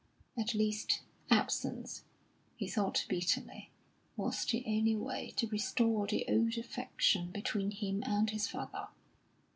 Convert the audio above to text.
At least, absence, he thought bitterly, was the only way to restore the old affection between him and his father.